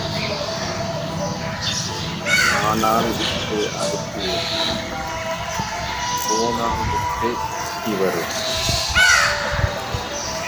ஆனால் விட்டு அடுப்பு எரியும் போனால் விட்டுப் புத்தி வரும்.